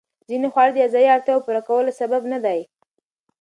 ځینې خواړه د غذایي اړتیاوو پوره کولو سبب ندي.